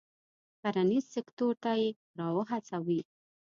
کرنیز سکتور ته یې را و هڅوي.